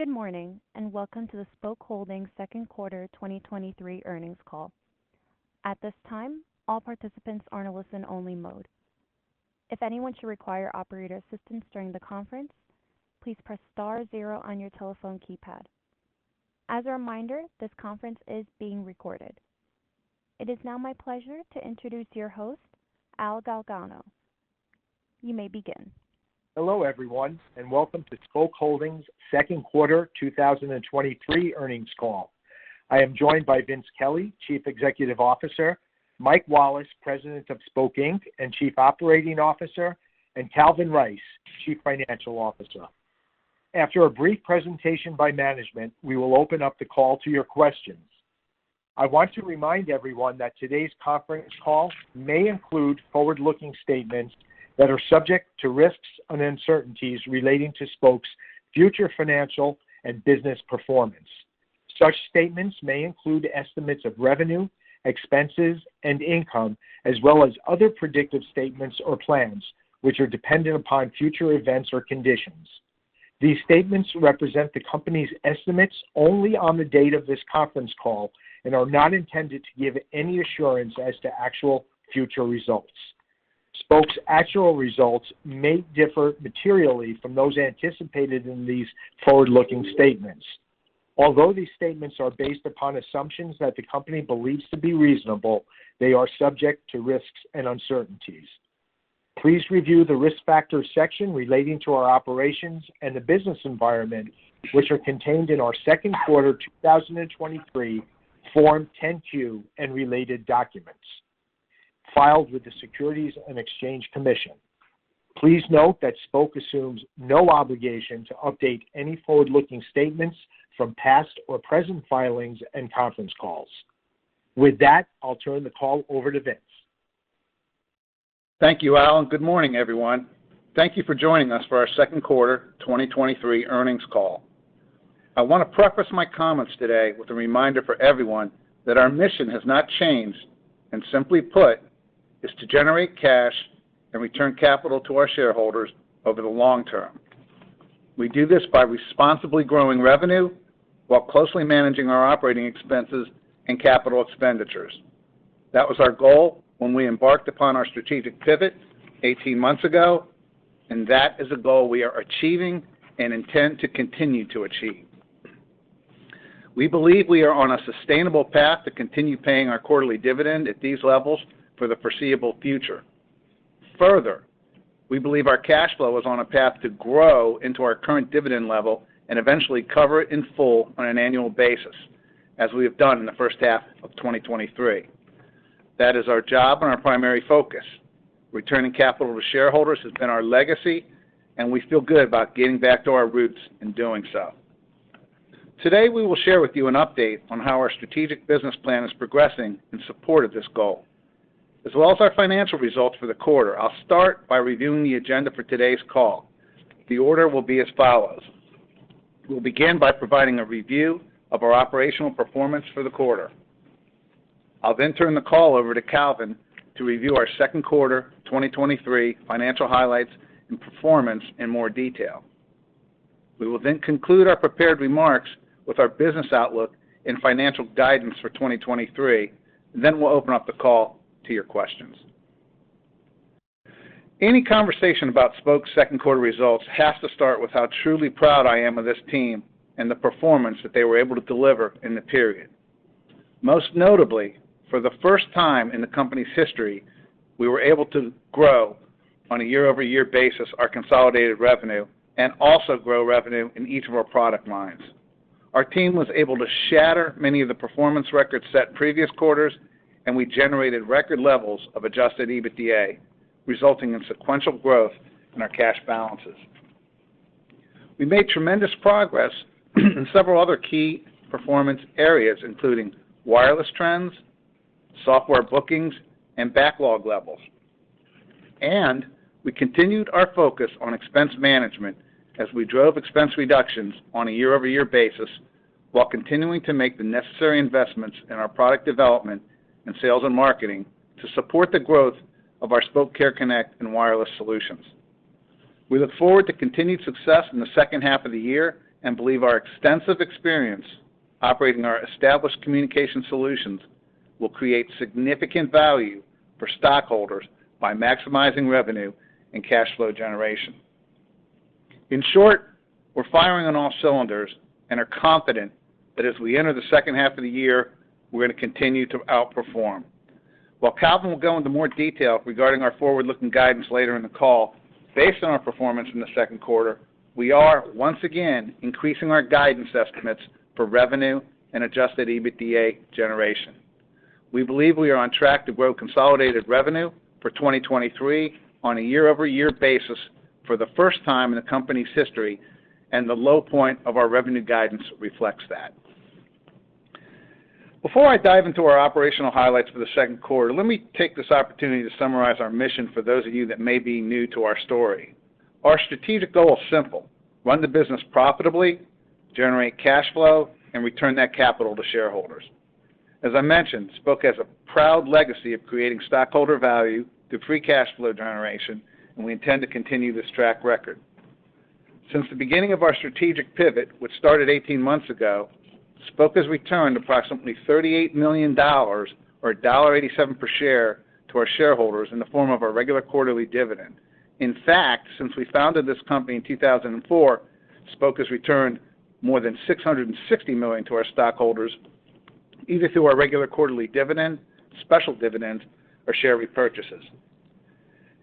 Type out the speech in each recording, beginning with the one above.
Good morning, welcome to the Spok Holdings second quarter 2023 earnings call. At this time, all participants are in a listen-only mode. If anyone should require operator assistance during the conference, please press star zero on your telephone keypad. As a reminder, this conference is being recorded. It is now my pleasure to introduce your host, Al Galgano. You may begin. Hello, everyone, and welcome to Spok Holdings 2Q 2023 earnings call. I am joined by Vince Kelly, Chief Executive Officer, Mike Wallace, President of Spok Inc, and Chief Operating Officer, and Calvin Rice, Chief Financial Officer. After a brief presentation by management, we will open up the call to your questions. I want to remind everyone that today's conference call may include forward-looking statements that are subject to risks and uncertainties relating to Spok's future financial and business performance. Such statements may include estimates of revenue, expenses, and income, as well as other predictive statements or plans, which are dependent upon future events or conditions. These statements represent the company's estimates only on the date of this conference call and are not intended to give any assurance as to actual future results. Spok's actual results may differ materially from those anticipated in these forward-looking statements. Although these statements are based upon assumptions that the company believes to be reasonable, they are subject to risks and uncertainties. Please review the Risk Factors section relating to our operations and the business environment, which are contained in our second quarter 2023 Form 10-Q and related documents filed with the Securities and Exchange Commission. Please note that Spok assumes no obligation to update any forward-looking statements from past or present filings and conference calls. With that, I'll turn the call over to Vince. Thank you, Al. Good morning, everyone. Thank you for joining us for our second quarter 2023 earnings call. I want to preface my comments today with a reminder for everyone that our mission has not changed. Simply put, is to generate cash and return capital to our shareholders over the long term. We do this by responsibly growing revenue while closely managing our operating expenses and capital expenditures. That was our goal when we embarked upon our strategic pivot 18 months ago. That is a goal we are achieving and intend to continue to achieve. We believe we are on a sustainable path to continue paying our quarterly dividend at these levels for the foreseeable future. Further, we believe our cash flow is on a path to grow into our current dividend level and eventually cover it in full on an annual basis, as we have done in the first half of 2023. That is our job and our primary focus. Returning capital to shareholders has been our legacy, and we feel good about getting back to our roots in doing so. Today, we will share with you an update on how our strategic business plan is progressing in support of this goal, as well as our financial results for the quarter. I'll start by reviewing the agenda for today's call. The order will be as follows: We'll begin by providing a review of our operational performance for the quarter. I'll turn the call over to Calvin to review our second quarter 2023 financial highlights and performance in more detail. We will conclude our prepared remarks with our business outlook and financial guidance for 2023. We'll open up the call to your questions. Any conversation about Spok's second quarter results has to start with how truly proud I am of this team and the performance that they were able to deliver in the period. Most notably, for the first time in the company's history, we were able to grow on a year-over-year basis, our consolidated revenue, and also grow revenue in each of our product lines. Our team was able to shatter many of the performance records set previous quarters, and we generated record levels of adjusted EBITDA, resulting in sequential growth in our cash balances. We made tremendous progress in several other key performance areas, including wireless trends, software bookings, and backlog levels. We continued our focus on expense management as we drove expense reductions on a year-over-year basis while continuing to make the necessary investments in our product development and sales and marketing to support the growth of our Spok Care Connect and wireless solutions. We look forward to continued success in the second half of the year and believe our extensive experience operating our established communication solutions will create significant value for stockholders by maximizing revenue and cash flow generation. In short, we're firing on all cylinders and are confident that as we enter the second half of the year, we're going to continue to outperform. While Calvin will go into more detail regarding our forward-looking guidance later in the call, based on our performance in the second quarter, we are once again increasing our guidance estimates for revenue and adjusted EBITDA generation. We believe we are on track to grow consolidated revenue for 2023 on a year-over-year basis for the first time in the company's history, and the low point of our revenue guidance reflects that. Before I dive into our operational highlights for the second quarter, let me take this opportunity to summarize our mission for those of you that may be new to our story. Our strategic goal is simple: run the business profitably, generate cash flow, and return that capital to shareholders. As I mentioned, Spok has a proud legacy of creating stockholder value through free cash flow generation, and we intend to continue this track record. Since the beginning of our strategic pivot, which started 18 months ago, Spok has returned approximately $38 million, or $1.87 per share, to our shareholders in the form of our regular quarterly dividend. In fact, since we founded this company in 2004, Spok has returned more than $660 million to our stockholders, either through our regular quarterly dividend, special dividend, or share repurchases.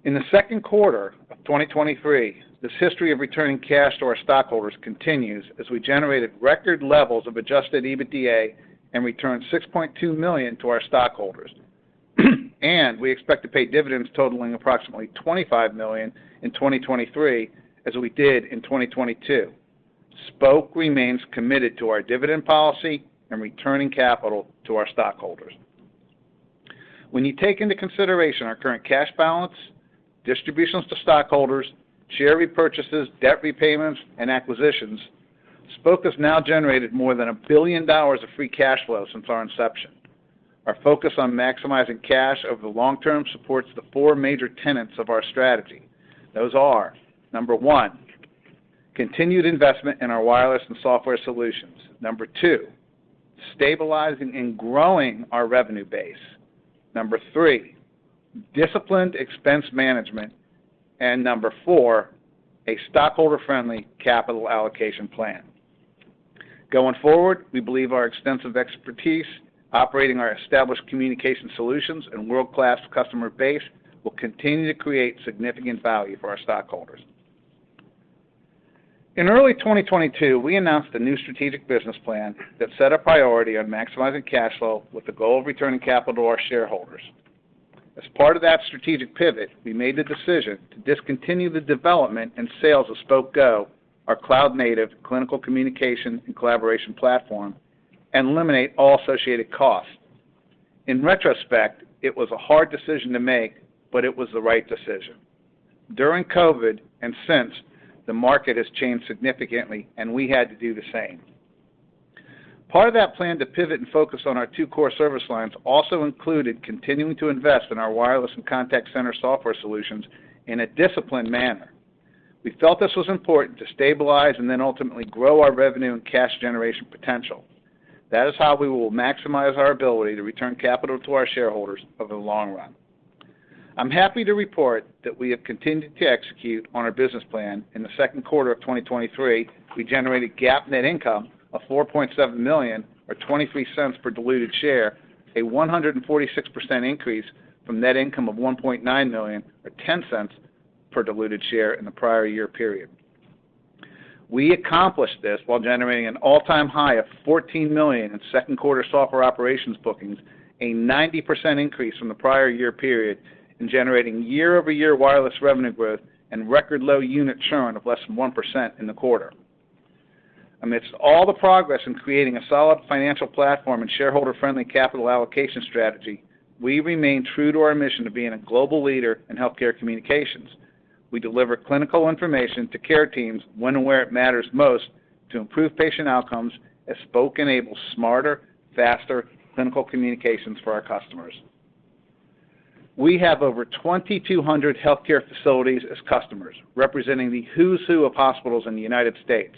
In the second quarter of 2023, this history of returning cash to our stockholders continues as we generated record levels of adjusted EBITDA and returned $6.2 million to our stockholders. We expect to pay dividends totaling approximately $25 million in 2023, as we did in 2022. Spok remains committed to our dividend policy and returning capital to our stockholders. When you take into consideration our current cash balance, distributions to stockholders, share repurchases, debt repayments, and acquisitions, Spok has now generated more than $1 billion of free cash flow since our inception. Our focus on maximizing cash over the long term supports the four major tenets of our strategy. Those are, number one, continued investment in our wireless and software solutions. Number two, stabilizing and growing our revenue base. Number three, disciplined expense management. Number four, a stockholder-friendly capital allocation plan. Going forward, we believe our extensive expertise, operating our established communication solutions and world-class customer base will continue to create significant value for our stockholders. In early 2022, we announced a new strategic business plan that set a priority on maximizing cash flow with the goal of returning capital to our shareholders. As part of that strategic pivot, we made the decision to discontinue the development and sales of Spok Go, our cloud-native clinical communication and collaboration platform, and eliminate all associated costs. In retrospect, it was a hard decision to make, but it was the right decision. During COVID, and since, the market has changed significantly, and we had to do the same. Part of that plan to pivot and focus on our two core service lines also included continuing to invest in our wireless and contact center software solutions in a disciplined manner. We felt this was important to stabilize and then ultimately grow our revenue and cash generation potential. That is how we will maximize our ability to return capital to our shareholders over the long run. I'm happy to report that we have continued to execute on our business plan. In the second quarter of 2023, we generated GAAP net income of $4.7 million, or $0.23 per diluted share, a 146% increase from net income of $1.9 million, or $0.10 per diluted share in the prior year period. We accomplished this while generating an all-time high of $14 million in second-quarter software operations bookings, a 90% increase from the prior year period, and generating year-over-year wireless revenue growth and record-low unit churn of less than 1% in the quarter. Amidst all the progress in creating a solid financial platform and shareholder-friendly capital allocation strategy, we remain true to our mission of being a global leader in healthcare communications. We deliver clinical information to care teams when and where it matters most to improve patient outcomes as Spok enables smarter, faster clinical communications for our customers. We have over 2,200 healthcare facilities as customers, representing the who's who of hospitals in the United States.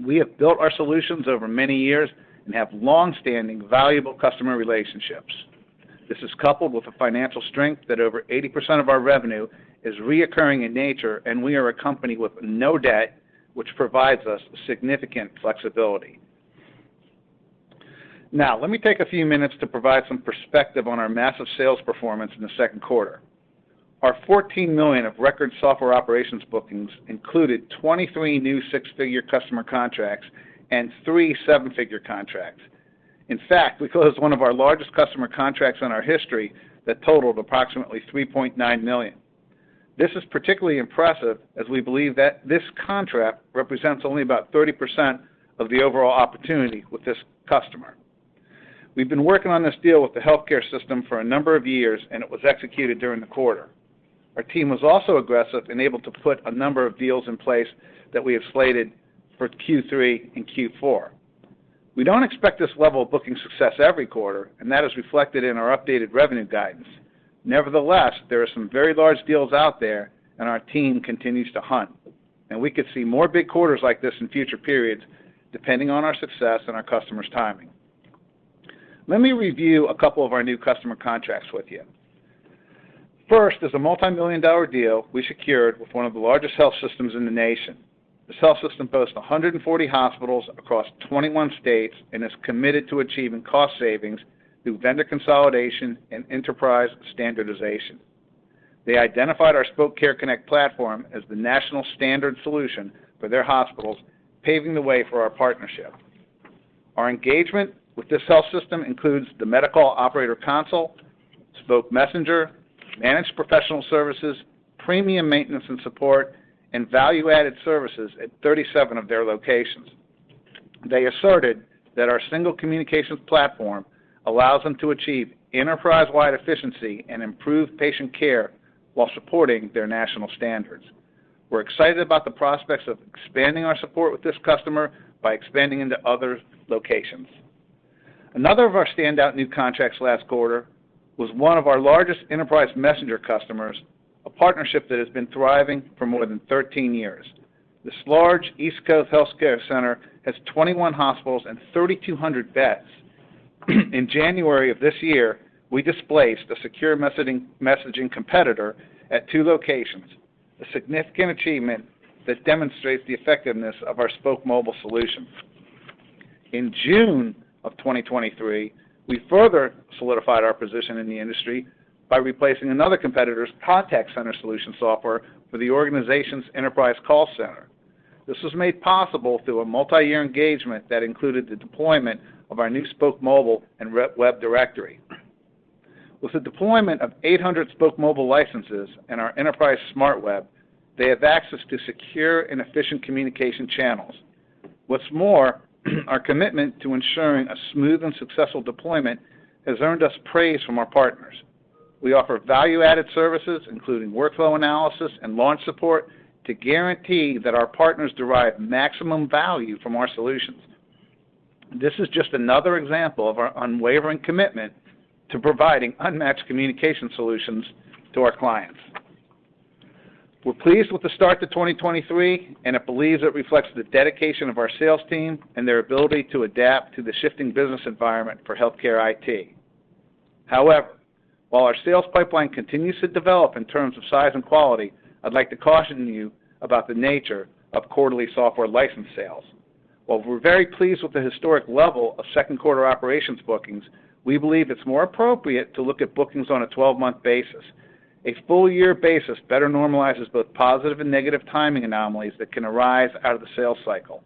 We have built our solutions over many years and have long-standing, valuable customer relationships. This is coupled with the financial strength that over 80% of our revenue is recurring in nature, we are a company with no debt, which provides us significant flexibility. Now, let me take a few minutes to provide some perspective on our massive sales performance in the second quarter. Our $14 million of record software operations bookings included 23 new six-figure customer contracts and three seven-figure contracts. In fact, we closed one of our largest customer contracts in our history that totaled approximately $3.9 million. This is particularly impressive, as we believe that this contract represents only about 30% of the overall opportunity with this customer. We've been working on this deal with the healthcare system for a number of years, it was executed during the quarter. Our team was also aggressive and able to put a number of deals in place that we have slated for Q3 and Q4. We don't expect this level of booking success every quarter, and that is reflected in our updated revenue guidance. Nevertheless, there are some very large deals out there, and our team continues to hunt, and we could see more big quarters like this in future periods, depending on our success and our customers' timing. Let me review a couple of our new customer contracts with you. First is a multimillion-dollar deal we secured with one of the largest health systems in the nation. This health system boasts 140 hospitals across 21 states and is committed to achieving cost savings through vendor consolidation and enterprise standardization. They identified our Spok Care Connect platform as the national standard solution for their hospitals, paving the way for our partnership. Our engagement with this health system includes the medical operator console, Spok Messenger, managed professional services, premium maintenance and support, and value-added services at 37 of their locations. They asserted that our single communications platform allows them to achieve enterprise-wide efficiency and improve patient care while supporting their national standards. We're excited about the prospects of expanding our support with this customer by expanding into other locations. Another of our standout new contracts last quarter was one of our largest enterprise messenger customers, a partnership that has been thriving for more than 13 years. This large East Coast healthcare center has 21 hospitals and 3,200 beds. In January of this year, we displaced a secure messaging, messaging competitor at two locations, a significant achievement that demonstrates the effectiveness of our Spok Mobile solution. In June of 2023, we further solidified our position in the industry by replacing another competitor's contact center solution software for the organization's enterprise call center. This was made possible through a multi-year engagement that included the deployment of our new Spok Mobile and web directory. With the deployment of 800 Spok Mobile licenses and our Spok Smart Web, they have access to secure and efficient communication channels. What's more, our commitment to ensuring a smooth and successful deployment has earned us praise from our partners. We offer value-added services, including workflow analysis and launch support, to guarantee that our partners derive maximum value from our solutions. This is just another example of our unwavering commitment to providing unmatched communication solutions to our clients. We're pleased with the start to 2023, and it believes it reflects the dedication of our sales team and their ability to adapt to the shifting business environment for healthcare IT. However, while our sales pipeline continues to develop in terms of size and quality, I'd like to caution you about the nature of quarterly software license sales. While we're very pleased with the historic level of second quarter operations bookings, we believe it's more appropriate to look at bookings on a 12-month basis. A full year basis better normalizes both positive and negative timing anomalies that can arise out of the sales cycle.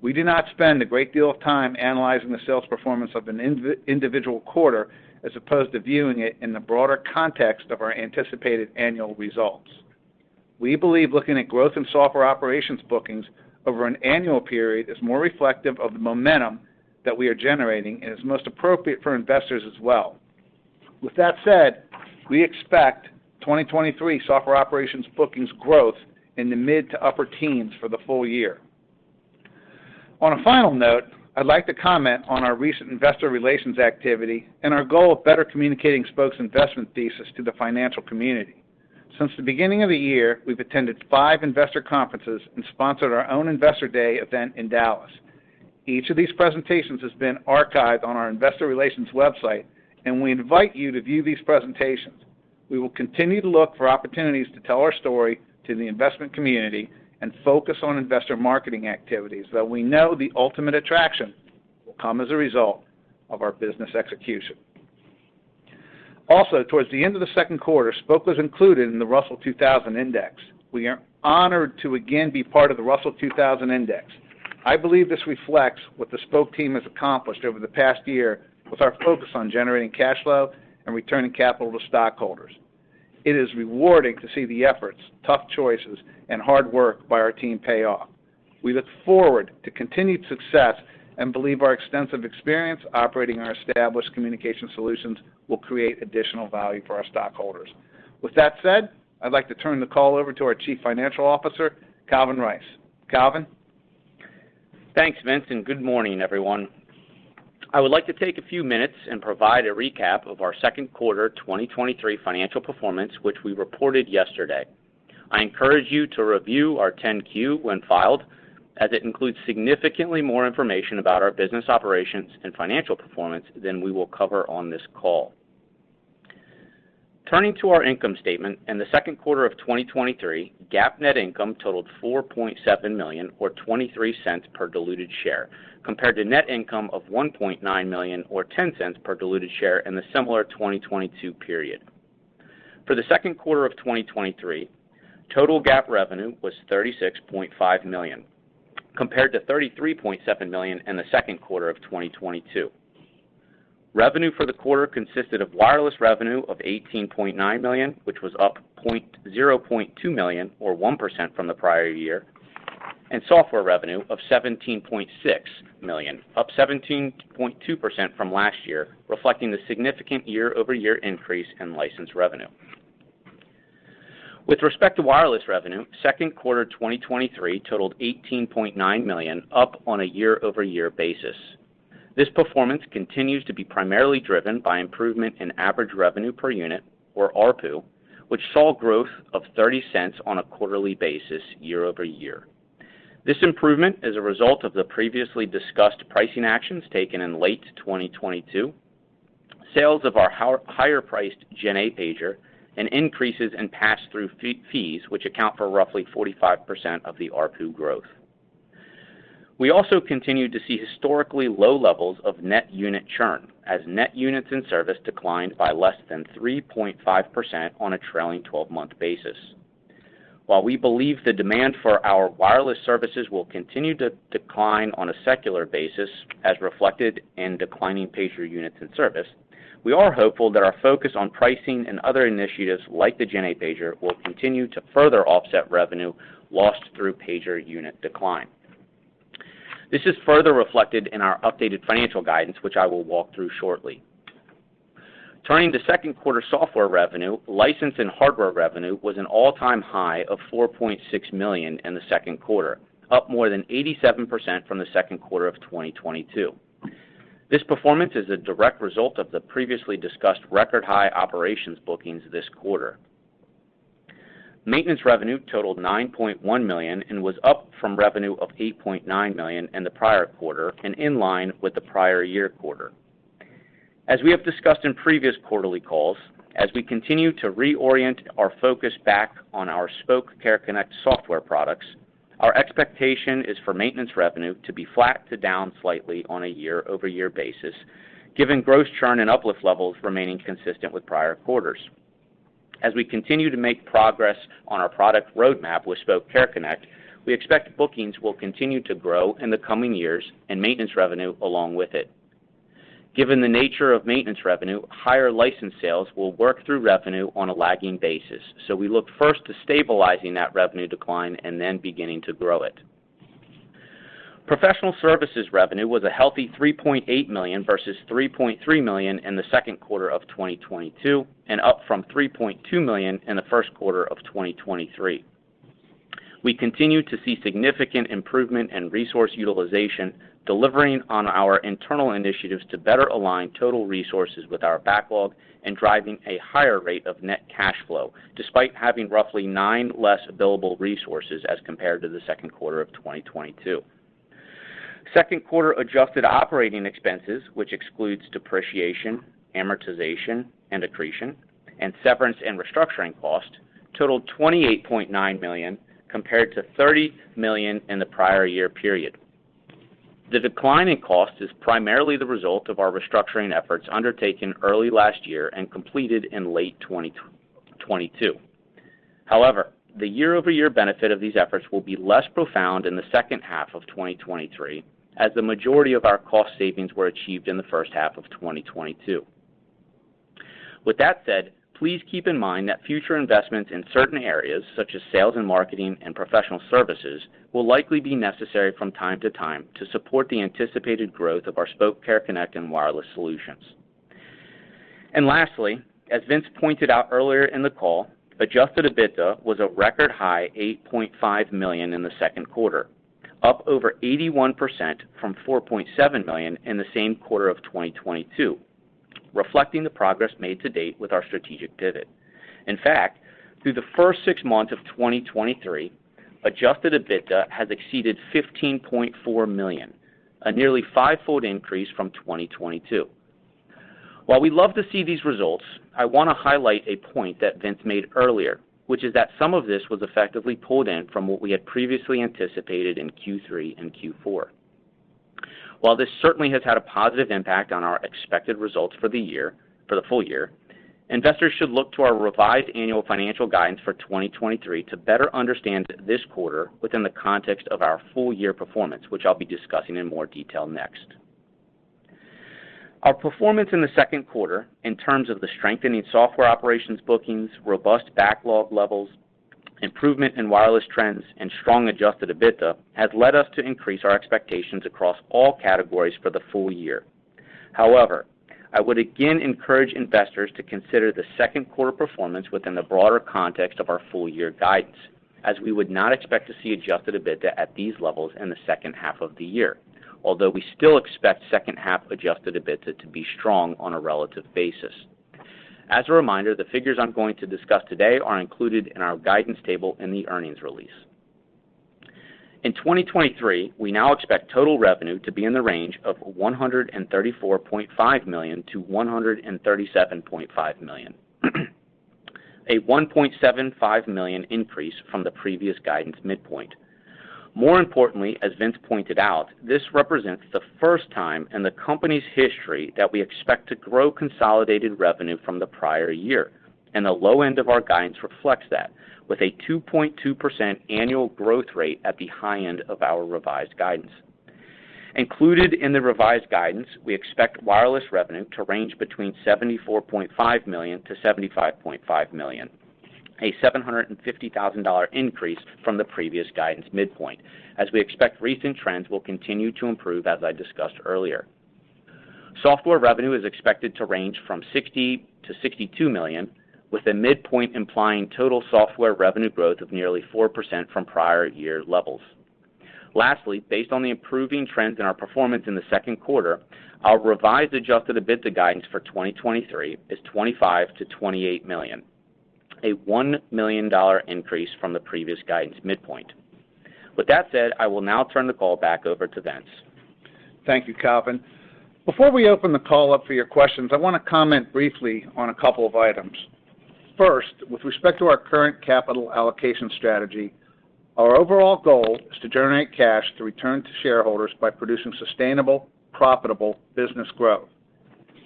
We do not spend a great deal of time analyzing the sales performance of an individual quarter, as opposed to viewing it in the broader context of our anticipated annual results. We believe looking at growth in software operations bookings over an annual period is more reflective of the momentum that we are generating and is most appropriate for investors as well. With that said, we expect 2023 software operations bookings growth in the mid to upper teens for the full year. On a final note, I'd like to comment on our recent investor relations activity and our goal of better communicating Spok's investment thesis to the financial community. Since the beginning of the year, we've attended five investor conferences and sponsored our own Investor Day event in Dallas. Each of these presentations has been archived on our investor relations website, we invite you to view these presentations. We will continue to look for opportunities to tell our story to the investment community and focus on investor marketing activities, though we know the ultimate attraction will come as a result of our business execution. Towards the end of the second quarter, Spok was included in the Russell 2000 Index. We are honored to again be part of the Russell 2000 Index. I believe this reflects what the Spok team has accomplished over the past year with our focus on generating cash flow and returning capital to stockholders. It is rewarding to see the efforts, tough choices, and hard work by our team pay off. We look forward to continued success and believe our extensive experience operating our established communication solutions will create additional value for our stockholders. With that said, I'd like to turn the call over to our Chief Financial Officer, Calvin Rice. Calvin? Thanks, Vince, and good morning, everyone. I would like to take a few minutes and provide a recap of our second quarter 2023 financial performance, which we reported yesterday. I encourage you to review our 10-Q when filed, as it includes significantly more information about our business operations and financial performance than we will cover on this call. Turning to our income statement, in the second quarter of 2023, GAAP net income totaled $4.7 million, or $0.23 per diluted share, compared to net income of $1.9 million, or $0.10 per diluted share in the similar 2022 period. For the second quarter of 2023, total GAAP revenue was $36.5 million, compared to $33.7 million in the second quarter of 2022. Revenue for the quarter consisted of wireless revenue of $18.9 million, which was up $0.2 million, or 1% from the prior year, and software revenue of $17.6 million, up 17.2% from last year, reflecting the significant year-over-year increase in licensed revenue. With respect to wireless revenue, second quarter 2023 totaled $18.9 million, up on a year-over-year basis. This performance continues to be primarily driven by improvement in average revenue per unit, or ARPU, which saw growth of $0.30 on a quarterly basis year-over-year. This improvement is a result of the previously discussed pricing actions taken in late 2022, sales of our higher-priced GenA pager, and increases in pass-through fees, which account for roughly 45% of the ARPU growth. We also continued to see historically low levels of net unit churn, as net units in service declined by less than 3.5% on a trailing twelve-month basis. While we believe the demand for our wireless services will continue to decline on a secular basis, as reflected in declining pager units in service, we are hopeful that our focus on pricing and other initiatives, like the GenA pager, will continue to further offset revenue lost through pager unit decline. This is further reflected in our updated financial guidance, which I will walk through shortly. Turning to second quarter software revenue, license and hardware revenue was an all-time high of $4.6 million in the second quarter, up more than 87% from the second quarter of 2022. This performance is a direct result of the previously discussed record-high operations bookings this quarter. Maintenance revenue totaled $9.1 million, was up from revenue of $8.9 million in the prior quarter and in line with the prior year quarter. As we have discussed in previous quarterly calls, as we continue to reorient our focus back on our Spok Care Connect software products, our expectation is for maintenance revenue to be flat to down slightly on a year-over-year basis, given gross churn and uplift levels remaining consistent with prior quarters. As we continue to make progress on our product roadmap with Spok Care Connect, we expect bookings will continue to grow in the coming years and maintenance revenue along with it. Given the nature of maintenance revenue, higher license sales will work through revenue on a lagging basis, we look first to stabilizing that revenue decline and then beginning to grow it. Professional services revenue was a healthy $3.8 million versus $3.3 million in the second quarter of 2022, and up from $3.2 million in the first quarter of 2023. We continue to see significant improvement in resource utilization, delivering on our internal initiatives to better align total resources with our backlog and driving a higher rate of net cash flow, despite having roughly nine less billable resources as compared to the second quarter of 2022. Second quarter adjusted operating expenses, which excludes depreciation, amortization, and accretion, and severance and restructuring costs, totaled $28.9 million, compared to $30 million in the prior year period. The decline in cost is primarily the result of our restructuring efforts undertaken early last year and completed in late 2022. However, the year-over-year benefit of these efforts will be less profound in the second half of 2023, as the majority of our cost savings were achieved in the first half of 2022. With that said, please keep in mind that future investments in certain areas, such as sales and marketing and professional services, will likely be necessary from time to time to support the anticipated growth of our Spok Care Connect and wireless solutions. Lastly, as Vince pointed out earlier in the call, adjusted EBITDA was a record high $8.5 million in the second quarter, up over 81% from $4.7 million in the same quarter of 2022, reflecting the progress made to date with our strategic pivot. In fact, through the first six months of 2023, adjusted EBITDA has exceeded $15.4 million, a nearly five-fold increase from 2022. While we love to see these results, I want to highlight a point that Vince made earlier, which is that some of this was effectively pulled in from what we had previously anticipated in Q3 and Q4. While this certainly has had a positive impact on our expected results for the year, for the full year, investors should look to our revised annual financial guidance for 2023 to better understand this quarter within the context of our full-year performance, which I'll be discussing in more detail next. Our performance in the second quarter, in terms of the strengthening software operations bookings, robust backlog levels, improvement in wireless trends, and strong adjusted EBITDA, has led us to increase our expectations across all categories for the full year. However, I would again encourage investors to consider the second quarter performance within the broader context of our full-year guidance, as we would not expect to see adjusted EBITDA at these levels in the second half of the year, although we still expect second half adjusted EBITDA to be strong on a relative basis. As a reminder, the figures I'm going to discuss today are included in our guidance table in the earnings release. In 2023, we now expect total revenue to be in the range of $134.5 million-$137.5 million, a $1.75 million increase from the previous guidance midpoint. More importantly, as Vince pointed out, this represents the first time in the company's history that we expect to grow consolidated revenue from the prior year, and the low end of our guidance reflects that, with a 2.2% annual growth rate at the high end of our revised guidance. Included in the revised guidance, we expect wireless revenue to range between $74.5 million-$75.5 million, a $750,000 increase from the previous guidance midpoint, as we expect recent trends will continue to improve, as I discussed earlier. Software revenue is expected to range from $60 million-$62 million, with the midpoint implying total software revenue growth of nearly 4% from prior year levels. Based on the improving trends in our performance in the second quarter, our revised adjusted EBITDA guidance for 2023 is $25 million-$28 million, a $1 million increase from the previous guidance midpoint. With that said, I will now turn the call back over to Vince. Thank you, Calvin. Before we open the call up for your questions, I want to comment briefly on a couple of items. First, with respect to our current capital allocation strategy, our overall goal is to generate cash to return to shareholders by producing sustainable, profitable business growth.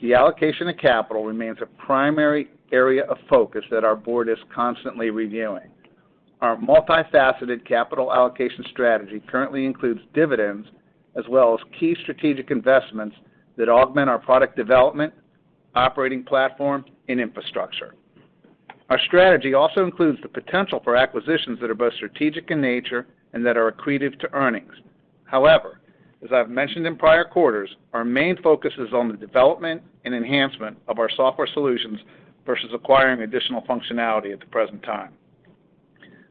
The allocation of capital remains a primary area of focus that our board is constantly reviewing. Our multifaceted capital allocation strategy currently includes dividends, as well as key strategic investments that augment our product development, operating platform, and infrastructure. Our strategy also includes the potential for acquisitions that are both strategic in nature and that are accretive to earnings. However, as I've mentioned in prior quarters, our main focus is on the development and enhancement of our software solutions versus acquiring additional functionality at the present time.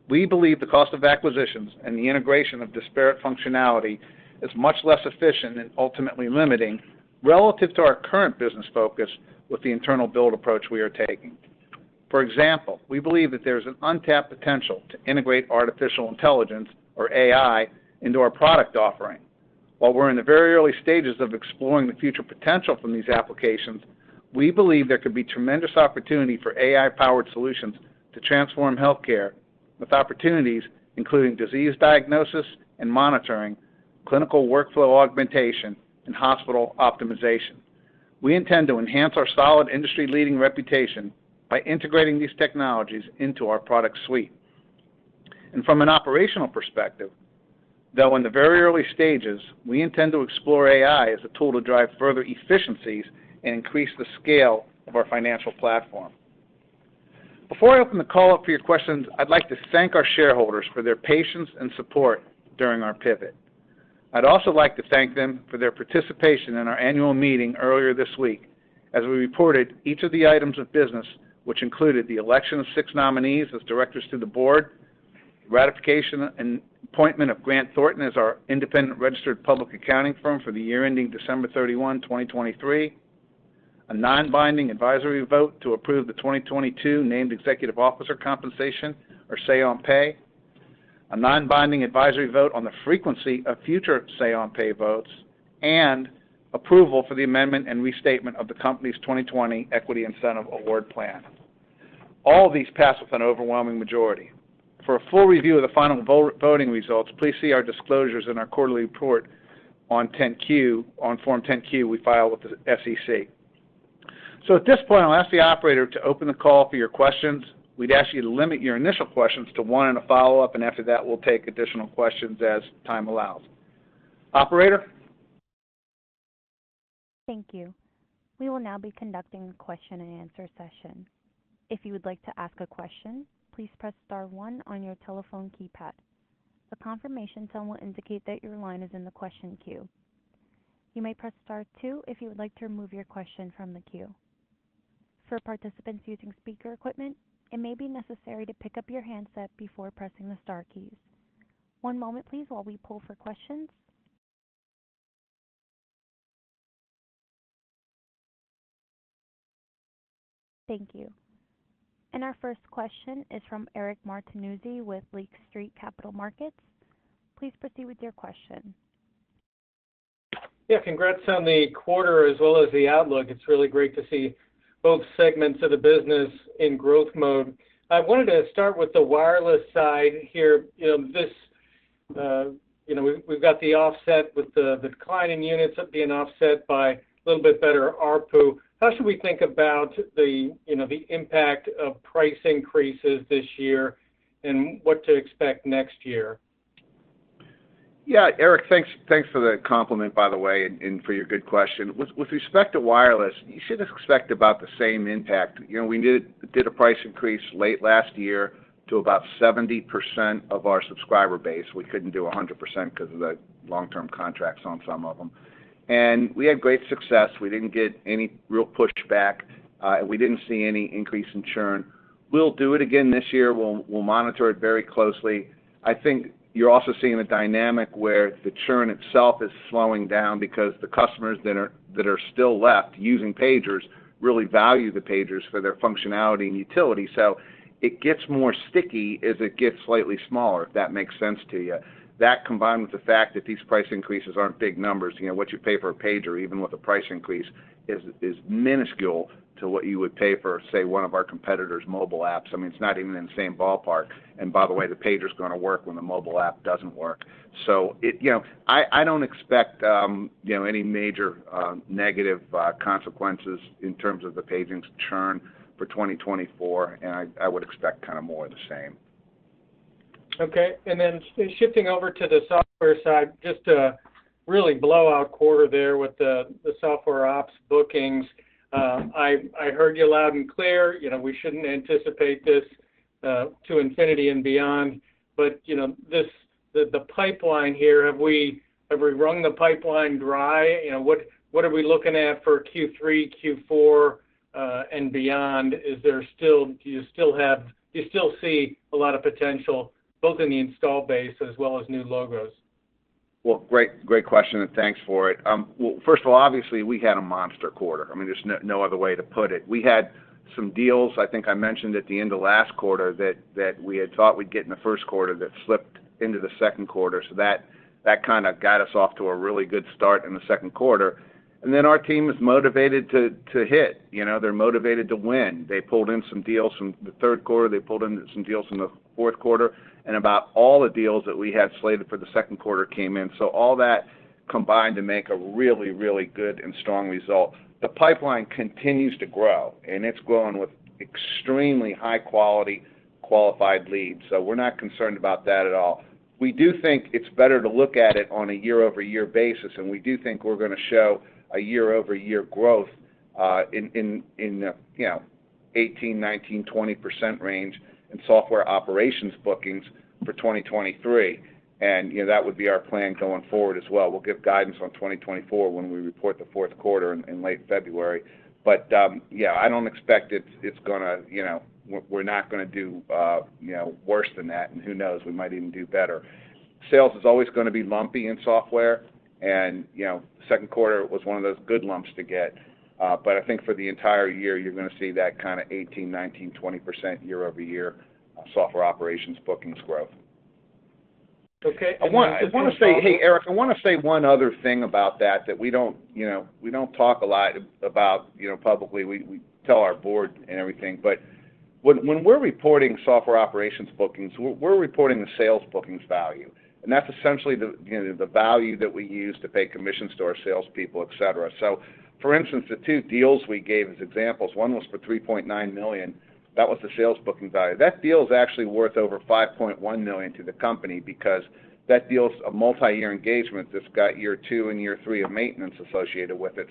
We believe the cost of acquisitions and the integration of disparate functionality is much less efficient and ultimately limiting relative to our current business focus with the internal build approach we are taking. For example, we believe that there's an untapped potential to integrate artificial intelligence, or AI, into our product offering. While we're in the very early stages of exploring the future potential from these applications, we believe there could be tremendous opportunity for AI-powered solutions to transform healthcare, with opportunities including disease diagnosis and monitoring, clinical workflow augmentation, and hospital optimization. We intend to enhance our solid industry-leading reputation by integrating these technologies into our product suite. From an operational perspective, though in the very early stages, we intend to explore AI as a tool to drive further efficiencies and increase the scale of our financial platform. Before I open the call up for your questions, I'd like to thank our shareholders for their patience and support during our pivot. I'd also like to thank them for their participation in our annual meeting earlier this week, as we reported each of the items of business, which included the election of six nominees as directors to the board, ratification and appointment of Grant Thornton as our independent registered public accounting firm for the year ending December 31, 2023, a non-binding advisory vote to approve the 2022 named Executive Officer compensation, or Say on Pay, a non-binding advisory vote on the frequency of future Say on Pay votes, and approval for the amendment and restatement of the company's 2020 Equity Incentive Award Plan. All these passed with an overwhelming majority. For a full review of the final voting results, please see our disclosures in our quarterly report on Form 10-Q we filed with the SEC. At this point, I'll ask the operator to open the call for your questions. We'd ask you to limit your initial questions to one and a follow-up, after that, we'll take additional questions as time allows. Operator? Thank you. We will now be conducting a question-and-answer session. If you would like to ask a question, please press star one on your telephone keypad. The confirmation tone will indicate that your line is in the question queue. You may press Star two if you would like to remove your question from the queue. For participants using speaker equipment, it may be necessary to pick up your handset before pressing the star keys. One moment, please, while we pull for questions. Thank you. Our first question is from Eric Martinuzzi with Lake Street Capital Markets. Please proceed with your question. Yeah, congrats on the quarter as well as the outlook. It's really great to see both segments of the business in growth mode. I wanted to start with the wireless side here. You know, this, you know, we've got the offset with the declining units of being offset by a little bit better ARPU. How should we think about the, you know, the impact of price increases this year and what to expect next year? Yeah, Eric, thanks, thanks for the compliment, by the way, and for your good question. With respect to wireless, you should expect about the same impact. You know, we did a price increase late last year to about 70% of our subscriber base. We couldn't do 100% because of the long-term contracts on some of them. We had great success. We didn't get any real pushback, and we didn't see any increase in churn. We'll do it again this year. We'll monitor it very closely. I think you're also seeing a dynamic where the churn itself is slowing down because the customers that are still left using pagers really value the pagers for their functionality and utility. It gets more sticky as it gets slightly smaller, if that makes sense to you. That, combined with the fact that these price increases aren't big numbers, you know, what you pay for a pager, even with a price increase, is, is minuscule to what you would pay for, say, one of our competitors' mobile apps. I mean, it's not even in the same ballpark. By the way, the pager's gonna work when the mobile app doesn't work. You know, I, I don't expect, you know, any major, negative, consequences in terms of the paging's churn for 2024, and I, I would expect kind of more of the same. Okay. Shifting over to the software side, just a really blowout quarter there with the software ops bookings. I heard you loud and clear. You know, we shouldn't anticipate this to infinity and beyond, you know, this, the pipeline here, have we wrung the pipeline dry? You know, what are we looking at for Q3, Q4 and beyond? Do you still see a lot of potential, both in the install base as well as new logos? Great question, thanks for it. First of all, obviously, we had a monster quarter. I mean, there's no other way to put it. We had some deals, I think I mentioned at the end of last quarter, that we had thought we'd get in the first quarter that slipped into the second quarter. That kind of got us off to a really good start in the second quarter. Our team is motivated to hit. You know, they're motivated to win. They pulled in some deals from the third quarter, they pulled in some deals from the fourth quarter, about all the deals that we had slated for the second quarter came in. All that combined to make a really good and strong result. The pipeline continues to grow, it's growing with extremely high quality.... qualified leads, so we're not concerned about that at all. We do think it's better to look at it on a year-over-year basis. We do think we're gonna show a year-over-year growth in, you know, 18%-20% range in software operations bookings for 2023. You know, that would be our plan going forward as well. We'll give guidance on 2024 when we report the fourth quarter in late February. Yeah, I don't expect it's gonna we're not gonna do you know, worse than that, and who knows, we might even do better. Sales is always gonna be lumpy in software and, you know, second quarter was one of those good lumps to get, but I think for the entire year, you're gonna see that kind of 18%, 19%, 20% year-over-year software operations bookings growth. Okay, I want- I wanna say Hey, Eric, I wanna say one other thing about that, that we don't, you know, we don't talk a lot about, you know, publicly. We tell our board and everything, but when we're reporting software operations bookings, we're reporting the sales bookings value. That's essentially the, you know, the value that we use to pay commissions to our salespeople, et cetera. For instance, the two deals we gave as examples, one was for $3.9 million. That was the sales booking value. That deal is actually worth over $5.1 million to the company because that deal's a multiyear engagement that's got year two and year three of maintenance associated with it.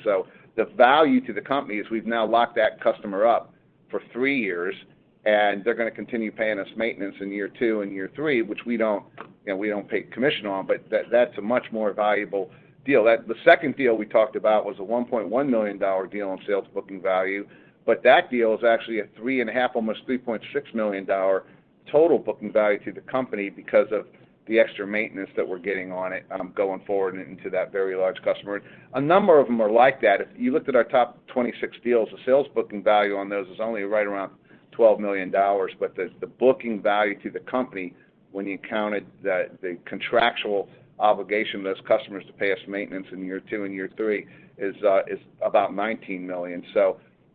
The value to the company is we've now locked that customer up for three years, and they're gonna continue paying us maintenance in year two and year three, which we don't, you know, we don't pay commission on, but that's a much more valuable deal. The second deal we talked about was a $1.1 million deal on sales booking value, but that deal is actually a $3.5 million, almost $3.6 million total booking value to the company because of the extra maintenance that we're getting on it, going forward into that very large customer. A number of them are like that. If you looked at our top 26 deals, the sales booking value on those is only right around $12 million, but the, the booking value to the company when you counted the, the contractual obligation of those customers to pay us maintenance in year two and year three, is about $19 million.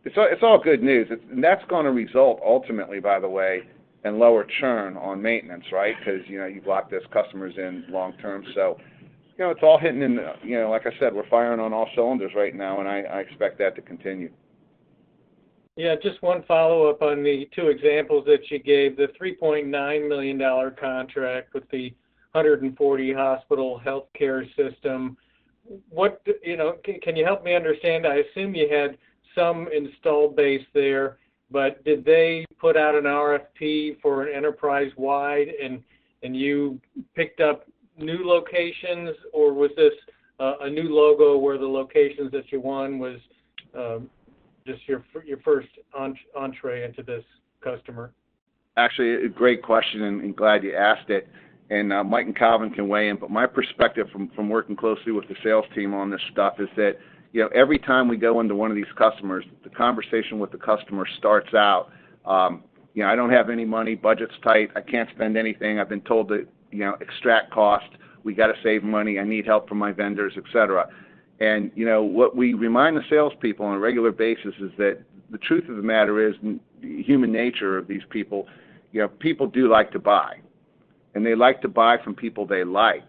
It's all, it's all good news. That's gonna result ultimately, by the way, in lower churn on maintenance, right? 'Cause, you know, you've locked those customers in long term. You know, it's all hitting in, you know, like I said, we're firing on all cylinders right now, and I, I expect that to continue. Yeah, just one follow-up on the two examples that you gave, the $3.9 million contract with the 140 hospital healthcare system. You know, can you help me understand? I assume you had some installed base there, but did they put out an RFP for an enterprise-wide, and you picked up new locations, or was this a new logo where the locations that you won was just your first entree into this customer? Actually, a great question, and glad you asked it, Mike and Calvin can weigh in. My perspective from working closely with the sales team on this stuff is that, you know, every time we go into one of these customers, the conversation with the customer starts out, "You know, I don't have any money, budget's tight, I can't spend anything. I've been told to, you know, extract costs. We got to save money. I need help from my vendors," et cetera. You know, what we remind the salespeople on a regular basis is that the truth of the matter is, human nature of these people, you know, people do like to buy, and they like to buy from people they like,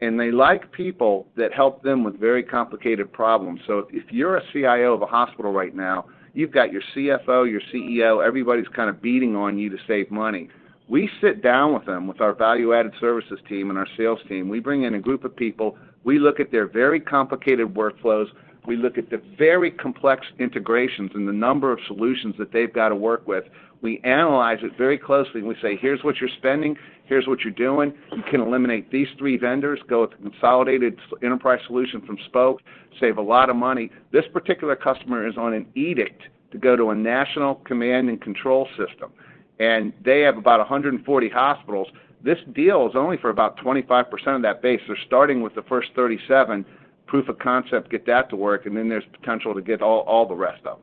and they like people that help them with very complicated problems. If you're a CIO of a hospital right now, you've got your CFO, your CEO, everybody's kind of beating on you to save money. We sit down with them, with our value-added services team and our sales team. We bring in a group of people. We look at their very complicated workflows. We look at the very complex integrations and the number of solutions that they've got to work with. We analyze it very closely, and we say, "Here's what you're spending, here's what you're doing. You can eliminate these three vendors, go with a consolidated enterprise solution from Spok, save a lot of money." This particular customer is on an edict to go to a national command and control system, and they have about 140 hospitals. This deal is only for about 25% of that base. They're starting with the first 37, proof of concept, get that to work, and then there's potential to get all the rest of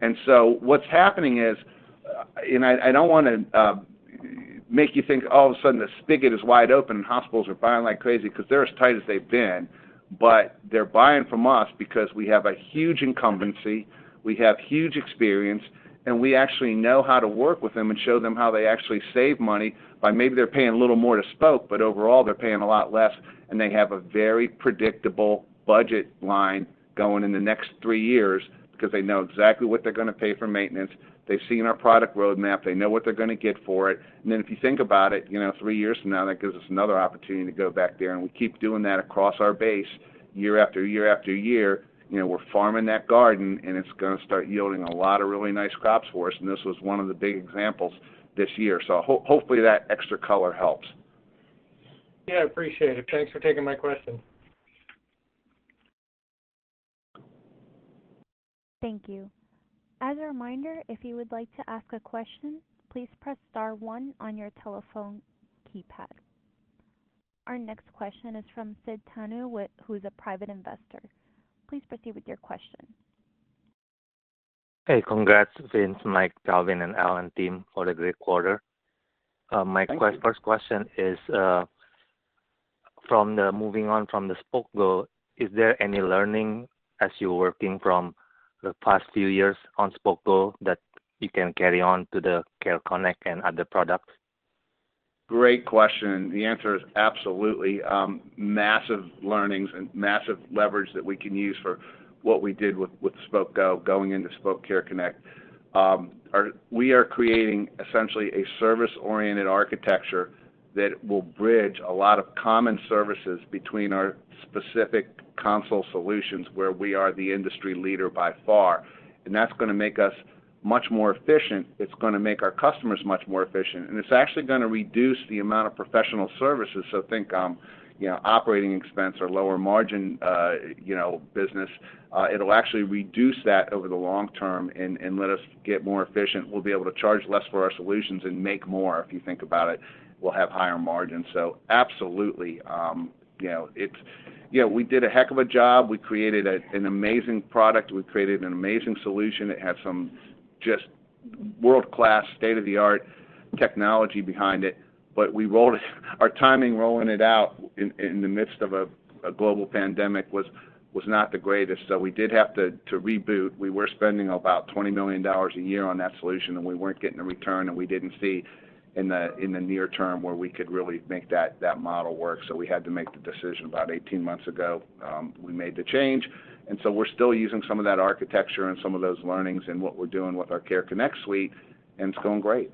them. What's happening is, and I, I don't wanna make you think all of a sudden, the spigot is wide open and hospitals are buying like crazy because they're as tight as they've been, but they're buying from us because we have a huge incumbency, we have huge experience, and we actually know how to work with them and show them how they actually save money by maybe they're paying a little more to Spok, but overall, they're paying a lot less, and they have a very predictable budget line going in the next three years because they know exactly what they're gonna pay for maintenance. They've seen our product roadmap, they know what they're gonna get for it. If you think about it, you know, three years from now, that gives us another opportunity to go back there, and we keep doing that across our base year after year after year. We're farming that garden, and it's gonna start yielding a lot of really nice crops for us, and this was one of the big examples this year. Hopefully, that extra color helps. Yeah, I appreciate it. Thanks for taking my question. Thank you. As a reminder, if you would like to ask a question, please press star one on your telephone keypad. Our next question is from Sid Tanu, who is a private investor. Please proceed with your question. Hey, congrats, Vince, Mike, Calvin, and Al and team, for the great quarter. Thank you. My first question is, from the moving on from the Spok Go, is there any learning as you're working from the past few years on Spok Go that you can carry on to the Care Connect and other products? Great question. The answer is absolutely, massive learnings and massive leverage that we can use for what we did with Spok Go, going into Spok Care Connect. We are creating essentially a service-oriented architecture that will bridge a lot of common services between our specific console solutions, where we are the industry leader by far. That's gonna make us much more efficient. It's gonna make our customers much more efficient. It's actually gonna reduce the amount of professional services. Think, you know, operating expense or lower margin, you know, business. It'll actually reduce that over the long term and let us get more efficient. We'll be able to charge less for our solutions and make more. If you think about it, we'll have higher margins. Absolutely, you know, we did a heck of a job. We created an amazing product. We created an amazing solution. It had some just world-class, state-of-the-art technology behind it. We rolled it, our timing rolling it out in the midst of a global pandemic was not the greatest, so we did have to reboot. We were spending about $20 million a year on that solution, and we weren't getting a return, and we didn't see in the near term where we could really make that model work. We had to make the decision. About 18 months ago, we made the change, and so we're still using some of that architecture and some of those learnings in what we're doing with our Care Connect suite, and it's going great.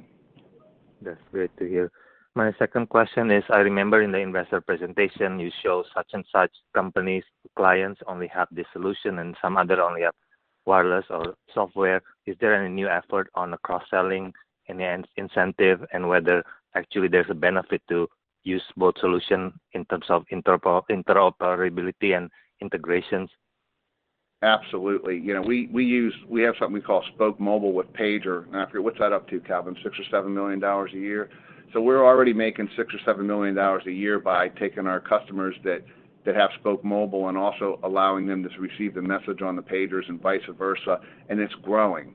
That's great to hear. My second question is, I remember in the investor presentation, you show such and such companies, clients only have this solution and some other only have wireless or software. Is there any new effort on the cross-selling and incentive, and whether actually there's a benefit to use both solution in terms of interoperability and integrations? Absolutely. You know, we have something we call Spok Mobile + Pager. I forget, what's that up to, Calvin? $6 million or $7 million a year. We're already making $6 million or $7 million a year by taking our customers that have Spok Mobile and also allowing them to receive the message on the pagers and vice versa, and it's growing.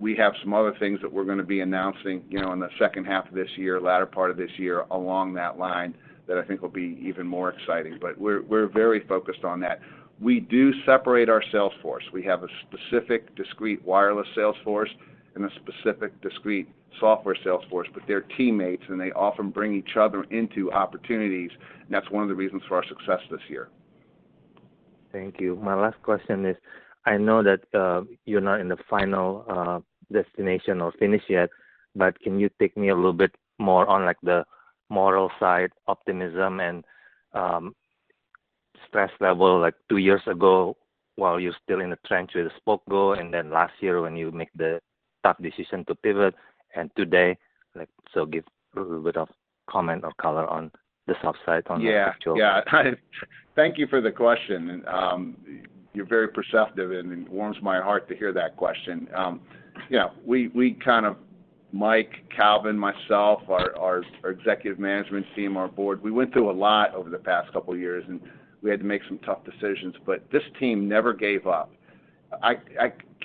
We have some other things that we're gonna be announcing, you know, in the second half of this year, latter part of this year, along that line, that I think will be even more exciting. We're very focused on that. We do separate our sales force. We have a specific, discrete wireless sales force and a specific, discrete software sales force, but they're teammates, and they often bring each other into opportunities. That's one of the reasons for our success this year. Thank you. My last question is, I know that you're not in the final destination or finish yet, but can you take me a little bit more on, like, the moral side, optimism and stress level, like two years ago, while you're still in the trench with Spok Go, and then last year when you make the tough decision to pivot, and today, like, give a little bit of comment or color on the soft side on the actual-. Thank you for the question. You're very perceptive, and it warms my heart to hear that question. Mike Wallace, Calvin Rice, myself, our executive management team, our board, we went through a lot over the past two years. We had to make some tough decisions. This team never gave up. I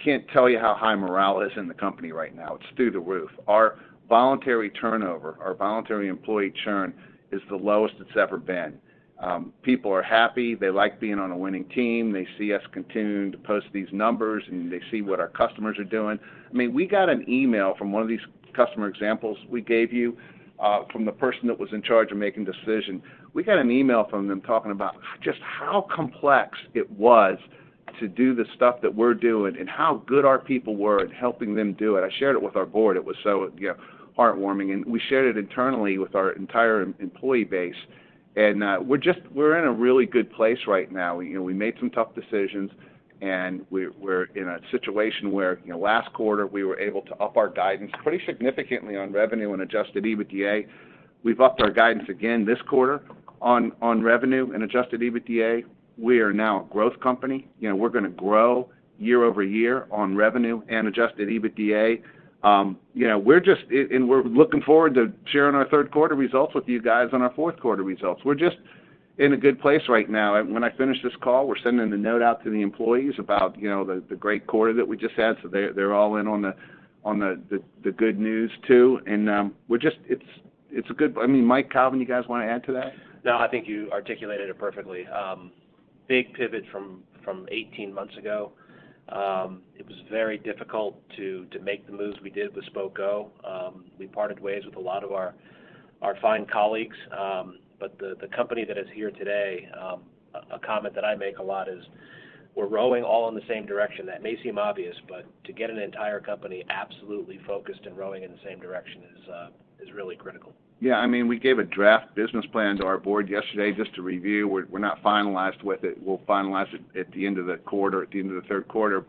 can't tell you how high morale is in the company right now. It's through the roof. Our voluntary turnover, our voluntary employee churn is the lowest it's ever been. People are happy. They like being on a winning team. They see us continuing to post these numbers. They see what our customers are doing. I mean, we got an email from one of these customer examples we gave you, from the person that was in charge of making decision. We got an email from them talking about just how complex it was to do the stuff that we're doing and how good our people were at helping them do it. I shared it with our board. It was so, you know, heartwarming, and we shared it internally with our entire employee base. We're just in a really good place right now. You know, we made some tough decisions, and we're in a situation where, you know, last quarter, we were able to up our guidance pretty significantly on revenue and adjusted EBITDA. We've upped our guidance again this quarter on revenue and adjusted EBITDA. We are now a growth company. You know, we're gonna grow year-over-year on revenue and adjusted EBITDA. You know, we're just, and we're looking forward to sharing our third quarter results with you guys on our fourth quarter results. We're just in a good place right now. When I finish this call, we're sending a note out to the employees about, you know, the great quarter that we just had, so they're all in on the good news, too. We're just. It's a good, I mean, Mike, Calvin, you guys want to add to that? I think you articulated it perfectly. Big pivot from 18 months ago. It was very difficult to make the moves we did with Spok Go. We parted ways with a lot of our fine colleagues, the company that is here today, a comment that I make a lot is, we're rowing all in the same direction. That may seem obvious, to get an entire company absolutely focused and rowing in the same direction is really critical. Yeah, I mean, we gave a draft business plan to our board yesterday just to review. We're not finalized with it. We'll finalize it at the end of the quarter, at the end of the third quarter.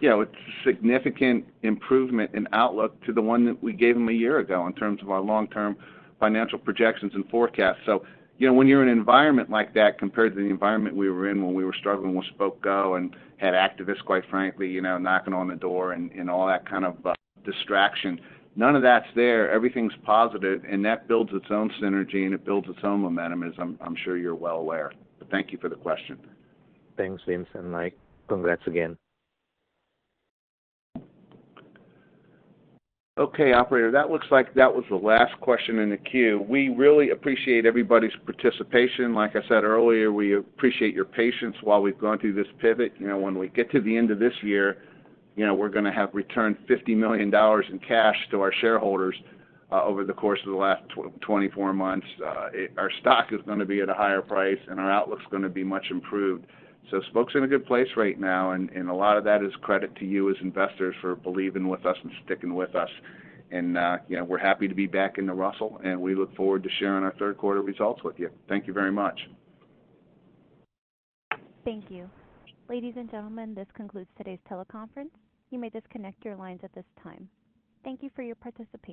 You know, it's a significant improvement in outlook to the one that we gave them a year ago in terms of our long-term financial projections and forecasts. You know, when you're in an environment like that, compared to the environment we were in when we were struggling with Spok Go and had activists, quite frankly, you know, knocking on the door and all that kind of distraction, none of that's there. Everything's positive, and that builds its own synergy, and it builds its own momentum, as I'm sure you're well aware. Thank you for the question. Thanks, Vince and Mike. Congrats again. Okay, operator, that looks like that was the last question in the queue. We really appreciate everybody's participation. Like I said earlier, we appreciate your patience while we've gone through this pivot. You know, when we get to the end of this year, you know, we're gonna have returned $50 million in cash to our shareholders over the course of the last 24 months. Our stock is gonna be at a higher price, and our outlook's gonna be much improved. Spok's in a good place right now, and a lot of that is credit to you as investors for believing with us and sticking with us. You know, we're happy to be back in the Russell, and we look forward to sharing our third quarter results with you. Thank you very much. Thank you. Ladies and gentlemen, this concludes today's teleconference. You may disconnect your lines at this time. Thank you for your participation.